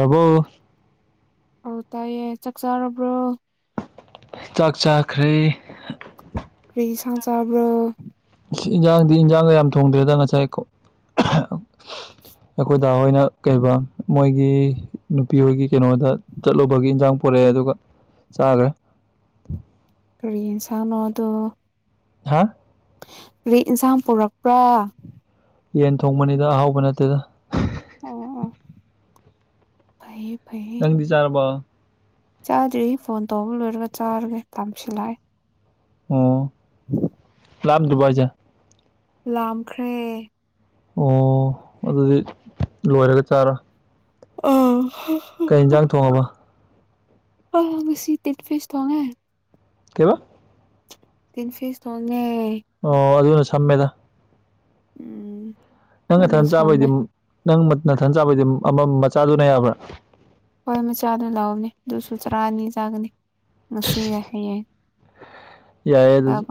ꯑꯕꯣ ꯍꯧ ꯇꯌꯦ ꯆꯥꯛꯆꯥꯥꯔꯣꯕ꯭ꯔꯣ ꯆꯥꯛ ꯆꯥꯈ꯭ꯔꯦ ꯀꯔꯤꯁ ꯆꯥꯕ꯭ꯔꯣ ꯏꯟꯖꯥꯡꯗꯤ ꯏꯟꯖꯥꯡꯗ ꯌꯥꯝ ꯊꯣꯡꯗ꯭ꯔꯦꯗ ꯉꯁꯥꯏ ꯑꯩꯈꯣꯏ ꯗꯥ ꯍꯣꯏꯅ ꯀꯩꯕꯥ ꯃꯣꯏ ꯒꯤ ꯅꯨꯄꯤ ꯍꯣꯏꯒꯤ ꯀꯩꯅꯣꯗ ꯆꯠꯂꯨꯕꯒꯤ ꯏꯟꯖꯥꯡ ꯄꯨꯣꯔꯛꯑꯦ ꯑꯗꯨꯒ ꯆꯥꯈ꯭ꯔꯦ ꯑ ꯀꯔꯤ ꯌꯦꯟꯁꯥꯡꯅꯣꯗꯣ ꯍꯥ ꯔꯦ ꯏꯟꯁꯥꯡ ꯄꯨꯔꯛꯄ꯭ꯔꯥ ꯌꯦꯟ ꯊꯣꯡꯕꯅꯤꯗ ꯑꯍꯥꯎꯕ ꯅꯠꯇꯦꯗ ꯑꯣ ꯐꯩꯌꯦ ꯅꯪꯗꯤ ꯆꯔꯔꯕ ꯆꯥꯗ꯭ꯔꯤ ꯐꯣꯟ ꯇꯧꯕ ꯂꯣꯏꯔꯒ ꯆꯥꯔꯒꯦ ꯇꯥꯝꯁꯤꯜꯂꯥꯛꯑ ꯑ ꯎꯝ ꯂꯞ ꯗꯕꯁꯦ ꯂꯥꯝꯈ꯭ꯔꯦ ꯑꯣ ꯑꯗꯨꯗꯤ ꯂꯣꯏꯔꯒ ꯆꯥꯔ ꯑ ꯀꯩ ꯌꯦꯟꯖꯥꯡ ꯊꯣꯡꯉꯕ ꯑꯁꯤ ꯇꯠ ꯐꯁ ꯇꯉꯦ ꯀꯕ ꯇꯤꯟ ꯐ ꯁꯣꯡ ꯑꯣ ꯑꯗꯨꯅ ꯁꯃꯦꯗ ꯎꯝ ꯑꯗꯨꯅ ꯅꯪꯅꯊꯟ ꯁꯝꯃꯦ ꯆꯥꯕꯩꯗꯤ ꯅꯪꯊꯟ ꯆꯥꯕꯩꯗꯤ ꯑꯃꯝ ꯃꯆꯥꯗꯨꯅ ꯌꯥꯕ꯭ꯔꯥ ꯍꯣꯏ ꯃꯆꯥꯗꯨ ꯂꯥꯛꯎꯅꯦ ꯑꯗꯨꯁꯨ ꯆꯔꯥ ꯑꯅꯤ ꯆꯥꯒꯅꯤ ꯉꯁꯤꯒ ꯍꯌꯦꯡ ꯌꯥꯏꯌꯦ ꯕ ꯑꯗꯨꯁꯨ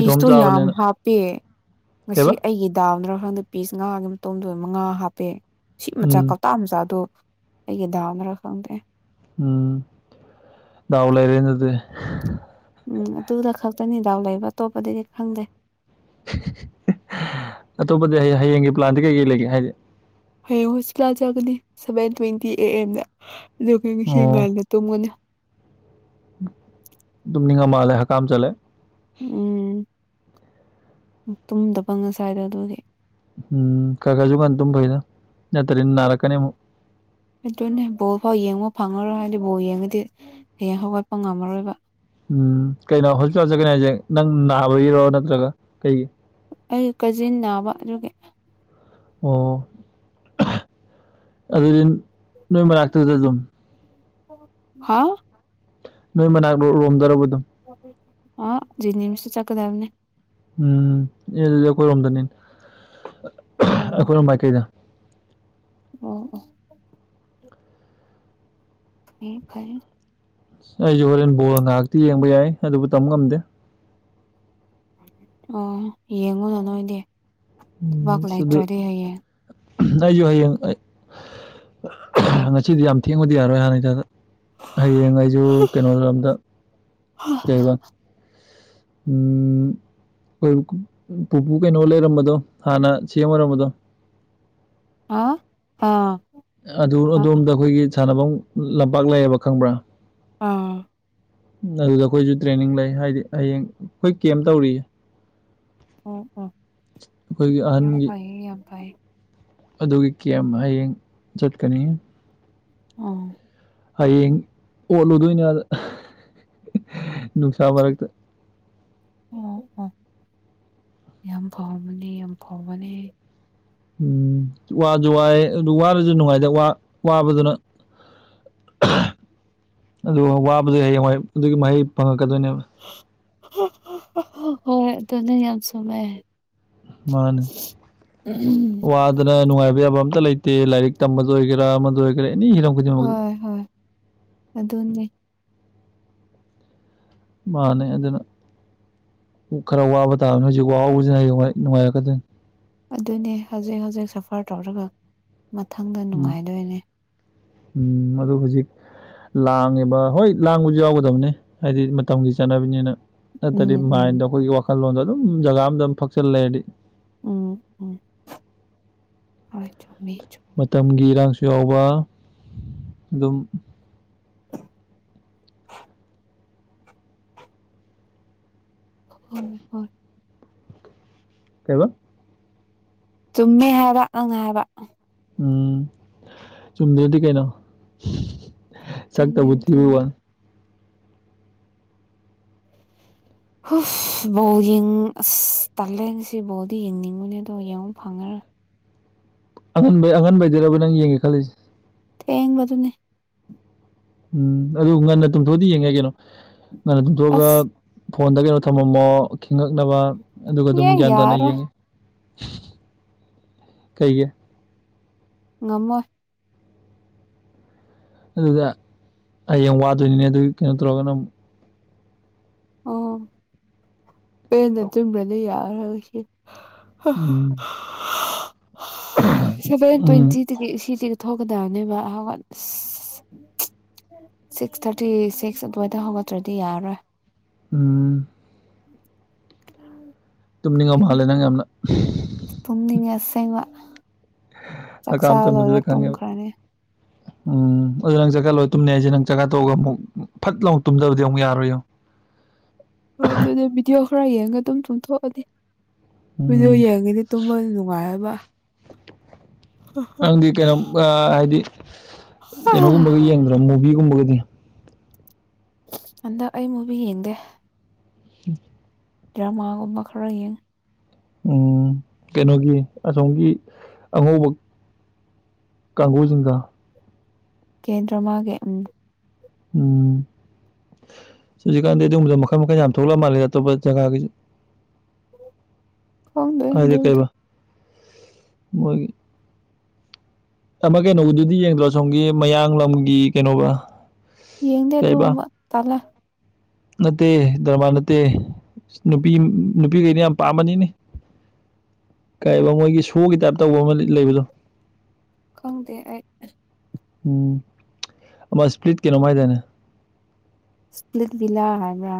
ꯏꯇꯣꯝ ꯌꯥꯝ ꯆꯥꯕꯅꯤꯅ ꯍꯥꯞꯄꯦ ꯉꯁꯤ ꯀꯩꯕ ꯑꯩꯒꯤ ꯗꯥꯝꯅ꯭ꯔꯣ ꯃꯊꯪꯗ ꯄꯤꯁ ꯉꯥꯒꯤ ꯃꯇꯣꯝꯗꯣ ꯃꯉꯥ ꯍꯥꯞꯄꯦ ꯁꯤ ꯃꯆꯥ ꯎꯝ ꯀꯧꯇꯥ ꯃꯆꯥꯗꯣ ꯑꯩꯒꯤ ꯗꯥꯝ ꯔꯈꯗꯦ ꯎꯝ ꯗꯗꯥꯎ ꯂꯩꯔꯗꯤ ꯎꯝ ꯑꯗꯨꯗ ꯈꯛꯇꯅꯤ ꯗꯥꯎ ꯂꯩꯕ ꯑꯇꯣꯞꯄꯗꯤ ꯈꯪꯗꯦ ꯑꯇꯣꯞꯄꯗꯤ ꯑꯩ ꯍꯌꯦꯡꯒꯤ ꯄ꯭ꯂꯥꯟꯗꯤ ꯀꯩꯀꯩ ꯂꯩꯒꯦ ꯍꯥꯏꯁꯦ ꯍꯌꯦꯡ ꯍꯣꯁꯄꯤꯇꯥꯜ ꯆꯠꯒꯅꯤ ꯁꯚꯦꯟ ꯇ꯭ꯋꯦꯟꯇꯤ ꯑꯦ ꯑꯦꯝꯗ ꯑꯗꯨꯒ ꯑꯩꯈꯣꯏꯁꯤꯡ ꯀꯥꯏꯗ ꯇꯨꯝꯒꯅꯤ ꯑꯗꯨꯝꯅꯤ ꯉ ꯃꯥꯂꯦ ꯍꯥ ꯀꯥꯝ ꯆꯂꯦ ꯎꯝ ꯇꯨꯝꯗꯕ ꯉꯁꯥꯏꯗ ꯑꯗꯨꯗꯤ ꯎꯝ ꯀꯥꯀꯥꯁꯨꯕꯨ ꯥꯟ ꯇ ꯐꯩꯅ ꯅꯠꯇꯟꯅꯥꯔ ꯀꯅꯤ ꯑꯗꯨꯅꯦ ꯕꯣꯜ ꯐꯥꯎ ꯌꯦꯡꯕ ꯐꯪꯉꯔꯣꯏ ꯍꯥꯏꯗꯤ ꯕꯣ ꯌꯦꯡꯉꯗꯤ ꯍꯌꯦꯡ ꯍꯧꯒꯠꯄ ꯉꯝꯃꯔꯣꯏꯕ ꯎꯝ ꯀꯩꯅꯣ ꯍꯣꯁꯄꯤꯇꯥꯜꯁꯦ ꯀꯩꯅꯣ ꯍꯥꯏꯁꯦ ꯅꯪ ꯅꯥꯕꯒꯤꯔꯣ ꯅꯠꯇ꯭ꯔꯒ ꯀꯩꯒꯤ ꯑꯩ ꯀꯖꯤꯟ ꯅꯥꯕ ꯑꯗꯨꯒꯤ ꯑꯣ ꯑꯗꯨꯗ ꯅꯕꯔ ꯂꯥꯛꯇꯗ ꯑꯗꯨꯝ ꯍꯥꯥ ꯅꯣꯏ ꯃꯅꯥꯛ ꯂꯣꯝꯗꯔꯕ ꯑꯗꯨꯝ ꯑ ꯖꯤꯅꯤ ꯃꯤꯁ ꯆꯥꯛꯀꯗꯔꯅꯦ ꯎꯝ ꯏ ꯑꯗꯨꯗꯤ ꯑꯩꯈꯣꯏꯔꯣꯝꯗꯅꯤ ꯑꯩꯈꯣꯏꯔꯣꯝ ꯃꯥꯏꯀꯩꯗ ꯎꯝ ꯎꯝ ꯐ ꯐꯔꯦ ꯑꯩꯁꯨꯦ ꯍꯣꯔꯦꯟ ꯕꯣꯜ ꯉꯥꯏꯥꯛꯇꯤ ꯌꯦꯡꯕ ꯌꯥꯏ ꯑꯗꯨꯕꯨ ꯇꯝꯕ ꯉꯝꯗꯦ ꯑꯣ ꯌꯦꯡꯉꯨꯅ ꯅꯣꯏꯗꯤ ꯎꯝ ꯂꯩꯕꯥꯛ ꯑꯗꯨ ꯂꯩꯇ꯭ꯔꯗꯤ ꯍꯌꯦꯡ ꯑꯩꯁꯨ ꯍꯌꯦꯡ ꯉꯁꯤꯗꯤ ꯌꯥꯝ ꯊꯦꯡꯕꯗꯤ ꯌꯥꯔꯣꯏ ꯍꯥꯟꯅꯩ ꯗꯥꯏꯗ ꯍꯌꯦꯡ ꯑꯩꯁꯨ ꯀꯩꯅꯣꯔꯣꯝꯗ ꯀꯩꯕ ꯎꯝ ꯑꯩ ꯄꯨꯄꯨ ꯀꯩꯅꯣ ꯂꯩꯔꯝꯕꯗꯣ ꯍꯥꯟꯅ ꯁꯥꯑ‌ꯦꯝ ꯑꯣꯏꯔꯝꯕꯗꯣ ꯑꯥ ꯑꯥ ꯑꯗꯨ ꯑ ꯑꯗꯣꯝꯗ ꯑꯩꯈꯣꯏꯒꯤ ꯁꯥꯟꯅꯐꯝ ꯂꯝꯄꯥꯛ ꯂꯩꯌꯦꯕ ꯈꯪꯕ꯭ꯔꯥ ꯑꯥ ꯑꯗꯨꯗ ꯑꯩꯈꯣꯏꯁꯨ ꯇ꯭ꯔꯦꯟꯅꯤꯡ ꯂꯩ ꯍꯥꯏꯗꯤ ꯍꯌꯦꯡ ꯑꯩꯈꯣꯏ ꯀꯦꯝ ꯇꯧꯔꯤꯌꯦ ꯎꯝ ꯎ ꯑꯩꯈꯣꯏꯒꯤ ꯑꯍꯟꯒꯤ ꯌꯥꯝꯐꯥꯏ ꯌꯥꯝꯐꯥꯏ ꯑꯗꯨꯒꯤ ꯀ‌ꯦꯝ ꯍꯌꯦꯡ ꯆꯠꯀꯅꯤ ꯑꯥ ꯍꯌꯦꯡ ꯑꯣꯠꯂꯨꯗꯣꯏꯅꯦ ꯑꯗ ꯅꯨꯡꯁꯥ ꯃꯔꯛꯇ ꯑꯣ ꯑꯣ ꯌꯥꯝ ꯐꯥꯎꯕꯅꯦ ꯌꯥꯝ ꯐꯥꯎꯕꯅꯦ ꯎꯝ ꯋꯥꯁꯨ ꯋꯥꯑꯦ ꯑꯗꯨ ꯋꯥꯔꯁꯨ ꯅꯨꯡꯉꯥꯏꯇꯦ ꯋꯥꯕꯗꯨꯅ ꯑꯗꯨꯒ ꯋꯥꯕꯗꯤ ꯍꯌꯦꯡꯋꯥꯏ ꯑꯗꯨꯒꯤ ꯃꯍꯩ ꯐꯪꯉꯛꯀꯗꯣꯏꯅꯦꯕ ꯍꯣꯏ ꯑꯗꯨ ꯅ‌ꯦ ꯌꯥꯝ ꯆꯨꯃ ꯃꯦ ꯃꯥꯅꯤ ꯋꯥꯗꯅ ꯅꯨꯡꯉꯥꯏꯕ꯫ ꯕ ꯌꯥꯕ ꯑꯝꯇ ꯂꯩꯇꯦ ꯂꯥꯏꯔꯤꯛ ꯇꯝꯕꯗ ꯑꯣꯏꯒꯦꯔꯥ ꯑꯃꯗ ꯑꯣꯏꯒꯦꯔꯥ ꯑꯦꯅꯤ ꯍꯤꯔꯝ ꯈꯨꯗꯤꯡꯃꯛꯇ ꯍꯣꯏ ꯍꯣꯏ ꯑꯗꯨꯅꯦ ꯃꯥꯅꯦ ꯑꯗꯨꯅ ꯈꯔ ꯋꯥꯕ ꯇꯥꯕꯅꯤ ꯍꯧꯖꯤꯛ ꯋꯥꯍꯧꯕꯁꯤꯅ ꯍꯌꯦꯡꯋꯥꯏ ꯅꯨꯡꯉꯥꯏꯔꯛꯀꯗꯣꯏꯅꯤ ꯑꯗꯨꯅꯦ ꯍꯧꯖꯤꯛ ꯍꯧꯖꯤꯛ ꯁꯐ꯭ꯔ ꯇꯧꯔꯒ ꯃꯊꯪꯗ ꯎꯝ ꯅꯨꯡꯉꯥꯏꯗꯣꯏꯅꯦ ꯎꯝ ꯑꯗꯨ ꯍꯧꯖꯤꯛ ꯂꯥꯡꯉꯦꯕ ꯍꯣꯏ ꯂꯥꯡꯕꯁꯨ ꯌꯥꯎꯒꯗꯕꯅꯦ ꯍꯥꯏꯗꯤ ꯃꯇꯝꯒꯤ ꯆꯠꯅꯕꯤꯅꯤꯅ ꯅꯠꯇ꯭ꯔꯗꯤ ꯎꯝ ꯎꯝ ꯃꯥꯏꯟꯗ ꯑꯩꯈꯣꯏꯒꯤ ꯋꯥꯈꯜꯂꯣꯟꯗ ꯑꯗꯨꯝ ꯖꯒꯥ ꯑꯝꯗꯝ ꯐꯛꯆꯜ ꯂꯩꯔꯗꯤ ꯎꯝ ꯎꯝ ꯍꯣꯏ ꯆꯨꯝꯃꯤ ꯆꯥꯡꯁꯨ ꯌꯥꯎꯕ ꯑꯗꯨꯝ ꯍꯣꯏ ꯍꯣꯏ ꯀꯩꯕꯣ ꯆꯨꯝꯃꯦ ꯍꯥꯏꯕ ꯅꯪꯅ ꯍꯥꯏꯕ ꯎꯝ ꯆꯨꯝꯗꯔꯗꯤ ꯀꯩꯅꯣ ꯁꯛ ꯑꯗꯨꯅꯦ ꯇꯕꯨꯊꯤꯕꯩ ꯑꯗꯨꯅꯦ ꯋꯥꯅꯤ ꯍꯨꯐ ꯕꯣꯜꯌ‌ꯦꯡ ꯑꯁ ꯇꯥꯜꯂꯦ ꯉꯁꯤ ꯕꯣꯜꯗꯤ ꯌꯦꯡꯅꯤꯡꯕꯥꯅꯦ ꯑꯗꯣ ꯌꯦꯡ ꯐꯪꯉꯔꯣꯏ꯫ [unintelligible] ꯑꯉꯟꯕꯩ ꯑꯉꯟꯕꯩꯗꯨꯔꯕꯨ ꯅꯪ ꯌꯦꯡꯒꯦ ꯈꯜꯂꯤꯁꯦ ꯊꯦꯡꯕꯗꯨꯅꯦ ꯎꯝ ꯑꯗꯨ ꯉꯟꯅ ꯇꯨꯝꯊꯣꯛꯑꯗꯤ ꯌꯦꯡ ꯌꯥꯏ ꯀꯩꯅꯣ ꯉꯟꯅ ꯇꯨꯝꯊꯣꯛꯑꯒ ꯑꯁ ꯐꯣꯟꯗ ꯀꯩꯅꯣ ꯊꯝꯃꯝꯃꯣ ꯈꯤꯡꯉꯛꯅꯕ ꯑꯗꯨꯒ ꯑꯗꯨꯝ ꯏꯌꯥ ꯒ꯭ꯌꯥꯟ ꯇꯥꯅ ꯌꯥꯔꯔꯣꯏ ꯌꯦꯡꯉꯤ ꯀꯩꯒꯤ ꯉꯝꯃ‌ꯣꯏ ꯑꯗꯨꯒ ꯍꯌꯦꯡ ꯋꯥꯗꯣꯏꯅꯤꯅꯦ ꯑꯗꯨꯒꯤ ꯀꯩꯅꯣ ꯇꯧꯔꯒꯅ ꯑꯃꯨꯛ ꯑꯣ ꯄꯦꯟꯅ ꯇꯨꯝꯗ꯭ꯔꯗꯤ ꯌꯥꯔꯔ‌ꯣꯏ ꯉꯁꯤ ꯎꯝ ꯁꯚꯦꯟ ꯎꯝ ꯇ꯭ꯋꯦꯟꯇꯤ ꯗꯒꯤ ꯁꯤꯗꯤ ꯊꯣꯛꯒꯗꯥꯅꯦꯕ ꯍꯧꯒꯠ ꯁꯁ ꯁꯤꯛꯁ ꯊꯥꯔꯇꯤ ꯁꯤꯛꯁ ꯑꯗꯨꯋꯥꯏꯗ ꯍꯧꯒꯠꯇ꯭ꯔꯗꯤ ꯌꯥꯔꯣꯏ꯫ ꯎꯝ꯫ ꯇꯨꯝꯅꯤꯡ ꯑ ꯑꯗꯨꯅꯦ ꯃꯥꯜꯂꯦ ꯅꯪ ꯌꯥꯝꯅ꯫ ꯁꯦꯡꯕ ꯍꯀꯥꯝ ꯆꯥꯛꯆꯥꯥꯕ ꯆꯟꯕꯗꯨꯗ ꯂꯣꯏꯔ ꯈꯪꯉꯦꯕ ꯇꯨꯝꯈ꯭ꯔꯅꯤ꯫ ꯎꯝ ꯑꯗꯨ ꯅꯪ ꯆꯛꯆꯥ ꯂꯣꯏ ꯇꯨꯝꯅꯤ ꯍꯥꯏꯁꯦ ꯅꯪ ꯆꯛꯆꯥ ꯇꫭꯛꯑꯒ ꯃꯨꯛ ꯐꯠ ꯂꯥꯎ ꯇꯨꯝꯗꯕꯗꯤ ꯑꯃꯨꯛ ꯌꯥꯔꫭꯏ ꯌꯦꯡꯎ꯫ ꯍꯣꯏ ꯗꯤꯑꯣ ꯎꯝ ꯌꯦꯡꯑꯗꯤ ꯇꯨꯝꯕ ꯅꯨꯡꯉꯥꯏꯌꯦꯕ꯫ ꯅꯪꯗꯤ ꯀꯩꯅꯣꯝ ꯑ ꯍꯥꯏꯗꯤ ꯀꯩꯅꯣꯒꯨꯝꯕꯒ ꯌꯦꯡꯗ꯭ꯔꯣ ꯃꯨꯚꯤꯒꯨꯝꯕꯒꯗꯤ꯫ ꯍꯟꯗꯛ ꯑꯩ ꯃꯨꯚꯤ ꯌꯦꯡꯗꯦ꯫ ꯎꯝ꯫ ꯗ꯭ꯔꯃꯥꯒꯨꯝꯕ ꯈꯔ ꯌꯦꯡ ꯎꯝ ꯀꯩꯅꯣꯒꯤ ꯑꯁꯣꯝꯒꯤ ꯑꯉꯧꯕ ꯀꯥꯡꯒꯨꯖꯤꯡꯗꫭ ꯀꯦꯟꯗ꯭ꯔ ꯃꯥꯒꯤ ꯎꯝ꯫ ꯍꯧꯖꯤꯛꯀꯥꯟꯗꯤ ꯑꯗꯨꯒꯨꯝꯕꯗ ꯃꯈꯜ-ꯃꯈꯜ ꯃꯌꯥꯝ ꯊꯣꯛꯂ ꯃꯥꯜꯂꯦ ꯑꯇꯣꯞꯄ ꯖꯒꯥꯒꯤꯁꯨ꯫ ꯈꯪꯗꯦ ꯗꯨꯗꯤ꯫ ꯃꯣꯏ ꯑꯃ ꯀꯩꯅꯣꯗꯨꯗꯤ ꯌꯦꯡꯗ꯭ꯔꯣ ꯁꯣꯝꯒꯤ ꯃꯌꯥꯡꯂꯝꯒꯤ ꯀꯩꯅꯣꯒ ꯌꯦꯡꯗꯦ ꯑꯗꯨꯒꯨꯝꯕ ꯇꯜꯂꯦ꯫ ꯅꯠꯇꯦ ꯗ꯭ꯔꯃꯥ ꯅꯠꯇꯦ꯫ ꯅꯨꯄꯤ ꯅꯨꯄꯤꯈꯩꯅ ꯌꯥꯝ ꯄꯥꯝꯕꯅꯤꯅꯦ꯫ ꯀꯥꯏꯕ ꯃꯣꯏꯒꯤ ꯁꯣꯒꯤ ꯇꯥꯏꯞ ꯇꯧꯕ ꯑꯃ ꯂꯩꯕꯗꯣ꯫ ꯈꯪꯗꯦ ꯑꯩ꯫ ꯎꯝ ꯑꯃ ꯁꯄ꯭ꯔꯤꯠ ꯀꯩꯅꯣꯃ ꯍꯥꯏꯗꯥꯏꯅꯦ꯫ ꯁ꯭ꯄꯂꯤꯠ ꯕꯤꯂꯥ ꯍꯥꯏꯕ꯭ꯔꯥ꯫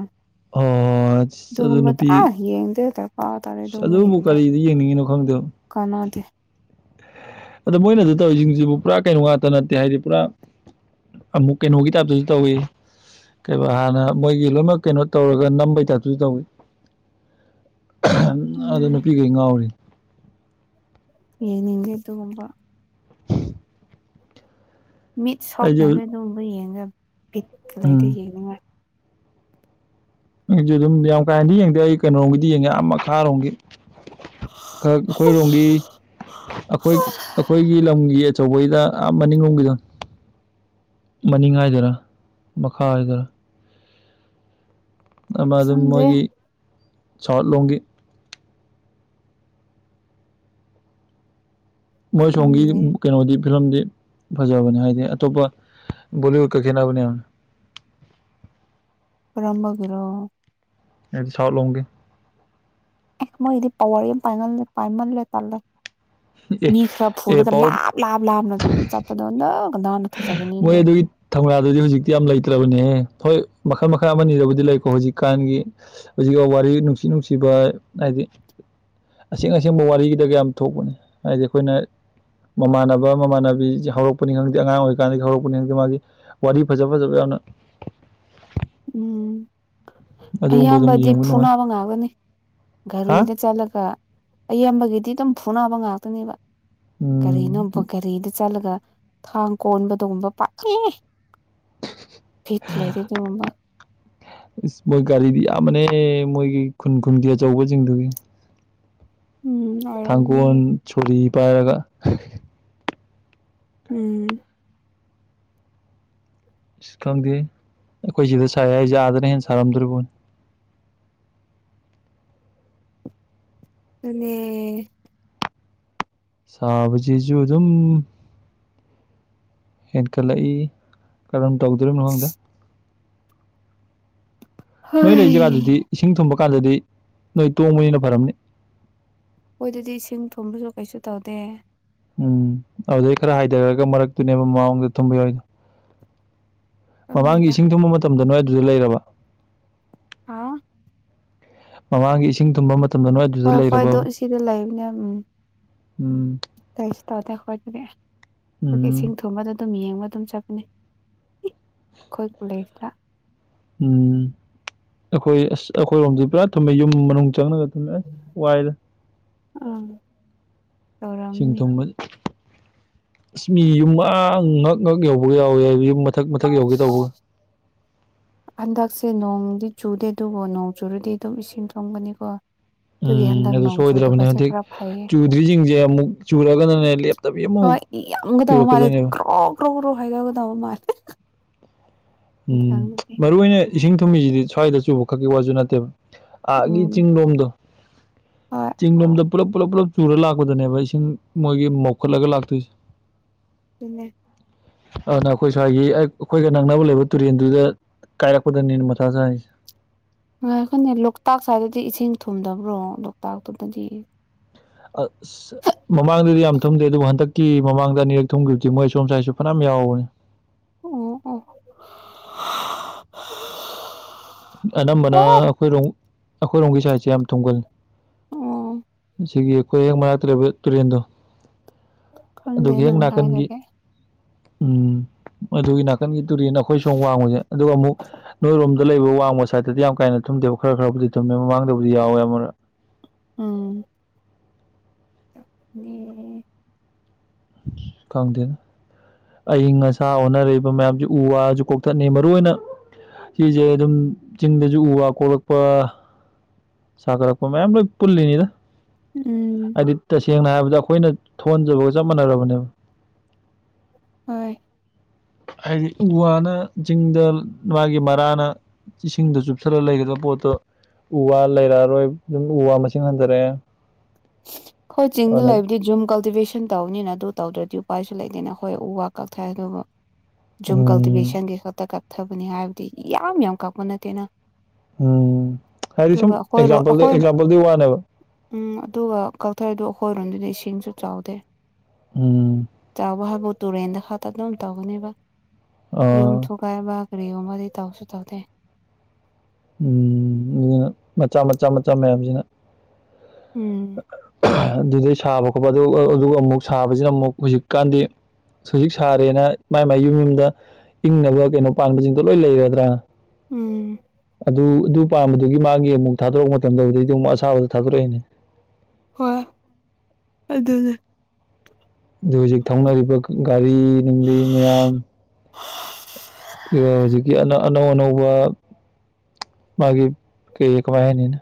ꯑꯣ ꯑꯗꯨ ꯗꯨꯒꯨꯝꯕ ꯑꯥ ꯅꯨꯄꯤ ꯌꯦꯡꯗꯦ ꯗꯔꯀꯥꯔ ꯇꯥꯗꯦ ꯗꯨꯒꯨꯝꯕ ꯑꯗꯨꯕꯨ ꯌꯦꯡꯒ꯫ ꯀꯔꯤꯗ ꯌꯦꯡꯅꯤꯡꯉꯤꯅꯣ ꯈꯪꯗꯦꯕ ꯀꯅꯥꯗꯦ꯫ ꯑꯗꫭ ꯃꯣꯏꯅ ꯑꯗꯨ ꯇꯧꯔꯤꯁꯤꯡꯁꯤꯕꯨ ꯄꯨꯔꯥ ꯀꯩꯅꯣ ꯉꯥꯛꯇ ꯅꯠꯇꯦ ꯍꯥꯏꯗꯤ ꯄꯨꯔꯥ ꯑꯃꯨꯛ ꯀꯩꯅꯣꯒꯤ ꯇꯥꯏꯞꯇꯁꯨ ꯇꯧꯋꯤ꯫ ꯀꯩꯕ ꯍꯥꯟꯅ ꯃꯣꯏꯒꯤ ꯂꯣꯏꯅꯃꯛ ꯀꯩꯅꯣ ꯇꯧꯔꯒ ꯅꯝꯕꯩ ꯇꯥꯏꯞꯇꯁꯨ ꯇꯧꯋꯤ꯫ ꯎꯝ ꯑꯗꯨ ꯅꯨꯄꯤꯈꯩ ꯉꯥꯎꯔꯤ꯫ ꯌꯦꯡꯅꯤꯡꯗꯦ ꯑꯗꯨꯒꯨꯝꯕ ꯃꯤꯠ ꯁꯣꯛꯅ ꯑꯩꯁꯨ ꯑꯗꯨꯝꯕꯨ ꯌꯦꯡꯔ ꯄꯤꯀ ꯂꯩꯗ ꯎꯝ ꯌꯦꯡꯅꯤꯡꯉꯥꯏ꯫ ꯑꯩꯁꯨ ꯑꯗꯨꯝ ꯌꯥꯝ ꯀꯥꯏꯅꯗꯤ ꯌꯦꯡꯗꯦ ꯑꯩ ꯀꯩꯅꯣꯒꯤꯗꯤ ꯌꯦꯡꯉꯦ ꯑꯥ ꯃꯈꯥꯔꯣꯝꯒꯤ ꯈꯛ ꯑꯩꯈꯣꯏꯔꯣꯝꯒꯤ ꯑꯈꯣꯏ ꯑꯈꯣꯏꯒꯤ ꯂꯝꯒꯤ ꯑꯆꯧꯕꯩ ꯑꯥ ꯃꯅꯤꯡꯔꯣꯝꯒꯤꯗꯣ꯫ ꯃꯅꯤꯡ ꯍꯥꯏꯗꫭꯏꯔꯥ ꯃꯈꯥ ꯍꯥꯏꯗꫭꯔꯥ꯫ ꯑꯃ ꯑꯗꯨꯝ ꯈꯪꯗꯦ ꯃꯣꯏꯒꯤ ꯁꯥꯎꯠ ꯂꯣꯝꯒꯤ ꯃꯣꯏꯁꯣꯝꯒꯤ ꯈꯪꯗꯦ ꯀꯩꯅꯣꯖꯡꯗꯤ ꯐꯤꯂꯝꯗꯤ ꯐꯖꯕꯅꯦ ꯍꯥꯏꯗꯤ ꯑꯇꯣꯞꯄ ꯕꯣꯂꯤꯋꯨꯗꯀ ꯈꯦꯠꯅꯕꯅꯦꯝ꯫ [inaudible] ꯀꯔꯝꯕ ꯒꯤꯔꯣ꯫ ꯑꯩꯗꯤ ꯁꯥꯥꯎ ꯂꯣꯝꯒꯤ꯫ ꯑꯦ ꯃꯣꯏꯗꯤ ꯄꯋꯥꯔ ꯌꯥꯝ ꯄꯥꯏꯃꯜꯂꯦ ꯄꯥꯏꯃꯜꯂꯦ ꯇꯜꯂꯦ꯫ ꯑꯦ ꯃꯤ ꯈ꯭ꯔ ꯑꯦ ꯐꯨꯔꯒ ꯄꯋꯥꯔ ꯂꯥꯞ ꯂꯥꯞ ꯂꯥꯞꯅ ꯆꯠꯄꯗꫭ ꯅꫭ꯫ ꯃꯣꯏ ꯑꯗꯨꯒꯤ ꯊꯧꯅꯥꯗꯨꯗꯤ ꯍꯧꯖꯤꯛꯇꯤ ꯌꯥꯝ ꯂꯩꯇ꯭ꯔꯕꯅꯦ ꯍꯣꯏ꯫ ꯃꯈꯜ ꯃꯈꯜ ꯑꯃꯅꯤꯅꯤꯔꯕꯨꯗꯤ ꯂꯩꯀꯣ ꯍꯧꯖꯤꯛꯀꯥꯟꯒꯤ ꯍꯧꯖꯤꯛꯐꯥꯎ ꯋꯥꯔꯤ ꯅꯨꯡꯁꯤꯠ ꯅꯨꯡꯁꯤꯕ ꯍꯥꯏꯗꯤ ꯑꯁꯦꯡ ꯑꯁꯦꯡꯕ ꯋꯥꯔꯤꯒꯤꯗ ꯀꯌꯥꯝ ꯊꯣꯛꯄꯅꯤ ꯍꯥꯏꯗꯤ ꯑꯩꯈꯣꯏꯅ ꯃꯃꯥꯟꯅꯕ ꯃꯃꯥꯟꯅꯕꯤꯁꯦ ꯍꯧꯔꯛꯄꯅꯤ ꯈꯪꯗꯦ ꯑꯉꯥꯡ ꯑꯣꯏꯔꯤꯀꯥꯟꯗꯒꯤ ꯍꯧꯔꯛꯄꯅꯤ ꯈꯛꯇꯦ ꯃꯥꯒꯤ ꯋꯥꯔꯤ ꯐꯖ ꯐꯖꯕ ꯌꯥꯝꯅ ꯎꯝ [inaudible] ꯑꯗꯨꯒꯨꯝꯕ ꯑꯗꯨꯝ ꯑꯌꯥꯝꯕꯗꯤ ꯌꯦꯡꯕ ꯐꯨ ꯅꯨꯡꯉꯥꯏ ꯅꯥꯕ ꯉꯥꯛꯒꯅꯤ ꯍꯥ ꯒꯥꯔꯤꯗ ꯆꯠꯂꯒ ꯑꯌꯥꯝꯕꯒꯤꯗꯤ ꯑꯗꯨꯝ ꯐꯨꯅꯕ ꯉꯥꯛꯇꯅꯦꯕ ꯀꯔꯤꯅꯣ ꯎꯝ ꯒꯥꯔꯤꯗ ꯆꯠꯂꯒ ꯊꯥꯡ ꯀꯣꯟꯕꯗꯒꯨꯝꯕ ꯄꯥꯛꯂ ꯊꯤꯠ ꯂꯩꯗꯗꯤꯕ ꯏꯁ ꯃꯣꯏ ꯒꯥꯔꯤꯗꯤ ꯌꯥꯝꯌꯥꯝꯕꯅꯦ ꯃꯣꯏꯒꯤ ꯈꯨꯟ ꯈꯨꯟꯒꯤ ꯑꯆꯧꯕꯁꯤꯡꯗꯨꯒꯤ ꯎꯝ ꯑꯣꯏꯔꯝꯅꯤ ꯊꯥꯡꯒꯣꯜ ꯁꯣꯔꯤ ꯄꯥꯏꯔꯒ ꯎꯝ [inaudible] ꯁꯤ ꯈꯪꯗꯦ ꯑꯩꯈꯣꯏ ꯁꯤꯗ ꯁꯥꯏ ꯑꯩꯁꯦ ꯑꯥꯗꯅ ꯍꯦꯟꯅ ꯁꯥꯔꯝꯗ꯭ꯔꯤꯕꯅꯤ [unintelligible] [inaudible] ꯑ [unintelligible] [inaudible] ꯁꯥꯕ ꯆꯖ ꯑꯗꯨꯝ ꯍꯦꯟꯀꯜ ꯂ ꯀꯔꯝ ꯇꯣꯛꯗꯔꯝ ꯍꯍꯣꯡꯗ ꯅꯣꯏ ꯂꯩꯔꯤ ꯍꯣꯏ ꯖꯒꯥꯗꯨꯗꯤ ꯏꯁꯤꯡ ꯊꯨꯝꯕ ꯀꯥꯟꯗꯗꯤ ꯅꯣꯏ ꯇꯣꯡꯕꯅꯤꯅ ꯐꯔꯝꯅꯤ ꯍꯣꯏ ꯑꯗꯨꯗꯤ ꯏꯁꯤꯡ ꯊꯨꯝꯕꯁꯨ ꯀꯩꯁꯨ ꯇꯧꯗꯦ ꯎꯝ ꯑꯗꯨꯗꯩ ꯈꯔ ꯍꯥꯏꯊꯔꯒ ꯃꯔꯛꯇꯨꯅꯦꯕ ꯃꯥꯡꯗ ꯊꯨꯝꯕ ꯌꯥꯎꯗꯣ ꯃꯃꯥꯡꯒꯤ ꯈꯪꯗꯦꯗ ꯏꯁꯤꯡ ꯊꯨꯡꯕ ꯃꯇꯝꯗ ꯅꯣꯏ ꯑꯗꯨꯗ ꯂꯩꯔꯕ ꯑꯥ [inaudible] [unintelligible] ꯃꯃꯥꯡꯒꯤ ꯏꯁꯤꯡ ꯇꯨꯝꯕ ꯍꯣꯏ ꯍꯣꯏ ꯑꯗꯨ ꯁꯤꯗ ꯂꯩꯕꯅꯦ ꯎꯝ ꯎꯝ ꯀꯩꯁ ꯇ ꯑꯣꯗ ꯈꯣꯏꯗꯅꯦꯦ ꯑꯗꯨ ꯎꯝ ꯏꯁꯤꯡ ꯊꯨꯝꯕꯗ ꯑꯗꯨꯝ ꯌꯦꯡꯕ ꯑꯗꯨꯝ ꯆꯠꯄꯅꯦ ꯈꯣꯏ ꯎꯂꯁꯥ ꯎꯝ ꯑꯩꯈꯣꯏ ꯑꯁ ꯑꯩꯈꯣꯏꯔꯣꯝꯗꯤ ꯄꯨꯔꯥ ꯊꯨꯝꯃꯦ ꯌꯨꯝ ꯃꯅꯨꯡ ꯆꯪꯉꯒ ꯑꯗꯨ ꯋꯥꯏꯗ ꯑꯥ ꯇꯧꯔꯝꯅꯤ ꯁꯤꯡꯇꯣꯝꯕꯜ ꯑꯁ ꯃꯤ ꯌꯨꯝ ꯑ ꯉꯛ ꯉꯛ ꯌꯧꯕꯒ ꯌꯥꯎꯋꯤ ꯌꯨꯝ ꯃꯊꯛ ꯃꯊꯛ ꯌꯧꯒꯦ ꯑꯁ ꯇꯧꯕ ꯍꯟꯗꯛꯁꯦ ꯅꯣꯡꯗꯤ ꯆꯨꯗꯦ ꯑꯗꯨꯕꯨ ꯅꯣꯡ ꯆꯨꯔꯗꯤ ꯑꯗꯨꯝ ꯏꯁꯤꯡ ꯊꯣꯡꯒꯅꯤꯀꯣ ꯎꯝ ꯑꯗꯨ ꯁꯣꯏꯗ꯭ꯔꯕꯅꯦ ꯍꯧꯖꯤꯛ ꯐꯩꯌꯦ ꯆꯨꯗ꯭ꯔꯤꯁꯤꯡꯁꯦ ꯑꯃꯨꯛ ꯆꯨꯔꯒꯅꯅꯦ ꯂꯦꯞꯇꯕꯤ ꯑꯃꯨꯛ ꯍꯣꯏ ꯌꯥꯝꯒꯗꯕ ꯃꯥꯜꯂꯦ ꯆꯨꯔꯛꯀꯗꯣꯏꯅꯦꯕ ꯒ꯭ꯔꯣ ꯒ꯭ꯔꯣ ꯒ꯭ꯔꯣ ꯍꯥꯏꯗꯧꯒꯗꯧꯕ ꯃꯥꯜꯂꯦ ꯎꯝ ꯌꯦꯟꯁꯥꯡꯗꯨꯗꯤ ꯃꯔꯨ ꯑꯣꯏꯅ ꯏꯁꯤꯡ ꯊꯨꯝꯃꯤꯁꯤꯗꯤ ꯁ꯭ꯋꯥꯏꯗ ꯆꯨꯕ ꯈꯛꯀꯤ ꯋꯥꯁꯨ ꯅꯠꯇꯦꯕ ꯑꯒꯤ ꯎꯝ ꯆꯤꯡꯂꯣꯝꯗꯣ ꯍꯣꯏ ꯆꯤꯡꯂꯣꯝꯗ ꯄꯨꯂ ꯄꯨ ꯄꯨꯂꯞ ꯆꯨꯔ ꯂꯥꯛꯄꯗꯅꯦꯕ ꯏꯁꯤꯡ ꯃꯣꯏꯒꯤ ꯃꯧꯈꯠꯂꯒ ꯂꯥꯛꯇꯣꯏꯁꯦ ꯇꯟꯅ ꯑꯗꯨꯅ ꯑꯩꯈꯣꯏ ꯁ꯭ꯋꯥꯏꯒꯤ ꯑꯩꯈꯣꯏꯒ ꯅꯪꯅꯕ ꯂꯩꯕ ꯇꯨꯔꯦꯟꯗꯨꯗ ꯀꯥꯏꯔꯛꯄꯗꯅꯦꯅ ꯃꯊꯥ ꯆꯥꯏꯔꯤꯁꯦ ꯑꯩꯈꯣꯏꯅꯦ ꯂꯣꯛꯇꯥꯛ ꯁ꯭ꯋꯥꯏꯗꯗꯤ ꯏꯁꯤꯡ ꯊꯨꯝꯗꯕ꯭ꯔꯣ ꯂꯣꯛꯇꯥꯛꯇꯨꯗꯗꯤ ꯑꯁ ꯃꯃꯥꯡꯗꯗꯤ ꯌꯥꯝ ꯊꯨꯝꯗꯦ ꯑꯗꯨꯕꯨ ꯍꯟꯗꯛꯀꯤ ꯃꯃꯥꯡꯗ ꯑꯅꯤꯔꯛ ꯊꯨꯝꯈꯤꯕꯗꯤ ꯃꯣꯏ ꯁꯣꯝ ꯁꯁꯥꯏꯁꯨ ꯐꯅ ꯌꯥꯎ [inaudible] ꯎ ꯑ [inaudible] [unintelligible] ꯑꯅꯝꯕꯅ ꯑꯩꯈꯣꯏꯔꯣꯝ ꯑꯩꯈꯣꯏꯔꯣꯝꯒꯤ ꯁꯥꯏꯠꯁꯦ ꯌꯥꯝ ꯊꯨꯡꯒꯜꯅꯤ ꯑꯣ ꯁꯤꯒꯤ ꯑꯩꯈꯣꯏ ꯍꯡ ꯃꯔꯛꯇ꯭ꯔꯕ ꯇꯨꯔꯦꯟꯗꯣ ꯈꯪꯗꯦ ꯑꯗꯨꯒꯤ ꯍꯦꯛ ꯅꯪ ꯅꯥꯀꯟꯒꯤ ꯍꯥꯏꯔꯒꯦ ꯎꯝ [inaudible] ꯑꯗꯨꯒꯤ ꯅꯥꯀꯟꯒꯤ ꯇꯨꯔꯤ ꯅꯈꯣꯏ ꯁꯣ ꯋꯥꯡꯕꯁꯦ ꯑꯗꯨꯒ ꯑꯃꯨꯛ ꯅꯣꯏꯔꯣꯝꯗ ꯂꯩꯕ ꯋꯥꯡ ꯣꯡ ꯁꯥꯏꯠꯇꯗꯤ ꯌꯥꯝ ꯀꯥꯏꯅ ꯊꯨꯝꯗꯦꯕ ꯈꯔ ꯈꯔꯕꯨꯗꯤ ꯊꯨꯝꯃꯦ ꯃꯃꯥꯡꯗꯕꯨꯗꯤ ꯌꯥꯎꯋꯦ ꯑꯃ ꯑꯥ ꯍ ꯀꯥꯎꯗꯅ ꯑꯏꯤꯡ ꯑꯁꯥ ꯍꯅꯔꯛꯏꯕ ꯃꯌꯥꯝꯁꯤ ꯎ ꯋꯥꯁꯨ ꯀꯣꯛꯊꯠꯅꯤ ꯃꯔꯨꯏ ꯑꯣꯏꯅ ꯁꯤꯁꯦ ꯑꯗꯨꯝ ꯆꯤꯡꯗꯁꯨ ꯎ ꯋꯥ ꯀꯣꯛꯂꯛꯄ ꯁꯥꯒꯔꯛꯣ ꯃ ꯂ ꯄꯨꯂꯤꯅꯤꯗ ꯎꯝ ꯁꯦꯡꯅ ꯍꯥꯏꯔꯕꯗ ꯑꯩꯈꯣꯏꯅ ꯊꯣꯟꯖꯕꯒ ꯆꯞ ꯃꯥꯟꯅꯔꯕꯅꯦꯕ ꯍꯣꯏ ꯍꯥꯏꯗꯤ ꯎ ꯋꯥꯅ ꯆꯤꯡꯗ ꯃꯥꯒꯤ ꯃꯔꯥꯅ ꯏꯁꯤꯡꯗꯣ ꯆꯨꯞꯊꯜꯂꯒ ꯂꯩꯒꯗꯕ ꯄꯣꯠꯇꯣ ꯎ ꯋꯥ ꯂꯩꯔꯛꯑꯔꯣꯏ ꯑꯗꯨꯝ ꯎ ꯋꯥ ꯃꯁꯤꯡ ꯍꯟꯊꯔꯛꯑꯦ ꯍꯣꯏ ꯆꯤꯡꯁꯤ ꯑꯗꯨꯅ ꯂꯩꯕꯗꯤ ꯖꯨꯝ ꯀꯜꯇꯤꯚꯦꯁꯟ ꯇꯧꯅꯤꯅ ꯑꯗꯨ ꯇꯧꯗ꯭ꯔꯗꯤ ꯎꯄꯥꯏꯁꯨ ꯂꯩꯇꯦꯅ ꯑꯩꯈꯣꯏ ꯎ ꯋꯥ ꯀꯛꯊꯦ ꯑꯗꯨꯕꯨ ꯖꯨꯝ ꯎꯝ ꯀꯜꯇꯤꯚꯦꯁꯟꯒꯤ ꯈꯛꯇ ꯀꯛ ꯊꯕꯅꯤ ꯍꯥꯏꯕꯗꯤ ꯌꯥꯝ ꯌꯥꯝ ꯀꯛꯄ ꯅꯠꯇꯦꯅ ꯍꯥꯏꯗꯤ ꯑꯗꯨꯒ ꯁꯨꯝ ꯑꯩꯈꯣꯏꯔꯣ ꯑꯦꯛꯖꯥꯝꯄꯜꯗ ꯑꯩꯈꯣꯏ ꯑꯦꯛꯖꯥꯝꯄꯜꯗꯨꯒꯤ ꯋꯥꯅꯦꯕ ꯎꯝ ꯑꯗꯨꯒ ꯀꯛꯊꯩꯗ ꯑꯩꯈꯣꯏꯔꯣꯝꯗꯨꯗꯤ ꯏꯁꯤꯡꯁꯨ ꯆꯥꯎꯗꯦ ꯎꯝ ꯆꯥꯎꯕ ꯍꯥꯏꯕ ꯇꯨꯔꯦꯟꯗ ꯍꯥꯇꯅꯕꯝ ꯇꯧꯒꯅꯦꯕ ꯑ ꯌꯨꯝ ꯊꯨꯒꯥꯏꯕ ꯔꯦꯍ ꯃꯗꯤ ꯇꯧꯁꯨ ꯇꯧꯗ ꯎꯝ ꯑꯗꯨꯅ ꯃꯆꯥ ꯃꯆꯥ ꯃꯆꯥ ꯃꯌꯥꯝꯁꯤꯅ ꯎꯝ ꯑꯗꯨꯗꯩ ꯁꯥꯕ ꯈꯣꯠꯄ ꯑꯗꯨ ꯑꯗꯨꯒ ꯑꯃꯨꯛ ꯁꯥꯕꯁꯤꯅ ꯑꯃꯨꯛ ꯍꯧꯖꯤꯛꯀꯥꯟꯗꯤ ꯍꯧꯖꯤꯛ ꯁꯥꯔꯦꯅ ꯃꯥꯏ ꯃꯥꯏ ꯌꯨꯝ ꯌꯨꯝꯗ ꯏꯪꯅꯕ ꯀꯩꯅꯣ ꯄꯥꯟꯕꯁꯤꯡꯗꯣ ꯂꯣꯏ ꯂꯩꯔꯗ꯭ꯔꯥ ꯎꯝ ꯑꯗꯨ ꯑꯗꯨ ꯄꯥꯝꯕꯗꯨꯒꯤ ꯃꯥꯒꯤ ꯑꯃꯨꯛ ꯊꯥꯗꯣꯔꯛꯄ ꯃꯇꯝꯗꯕꯨꯗꯩꯗꯤ ꯑꯃꯨꯛ ꯑꯁꯥꯕꯗ ꯊꯥꯗꯣꯔꯛꯏꯅꯦ ꯍꯣꯏ ꯑꯗꯨꯅꯦ ꯑꯗꯨ ꯍꯧꯖꯤꯛ ꯊꯧꯅꯔꯤꯕ ꯒꯥꯔꯤ ꯅꯨꯡꯂꯤ ꯃꯌꯥꯝ ꯍꯧꯖꯤꯛꯒꯤꯅ ꯑꯅꯧ ꯑꯅꯧꯕ ꯃꯥꯒꯤ ꯀ ꯃ ꯍꯥꯏꯅꯤꯅ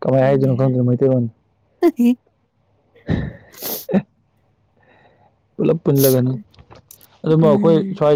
ꯀꯃꯥꯏ ꯈꯪꯗꯦ ꯍꯥꯏꯖꯅ ꯈꯪꯗ ꯃꯩꯇꯩꯕ [unintelligible] ꯍ ꯑꯦ ꯄꯨꯂꯞ ꯄꯨꯜꯂꯒꯅꯤ ꯑꯗꯨꯕꯨ ꯑꯩꯈꯣꯏ ꯎꯝ ꯁ꯭ꯋꯥꯏꯗ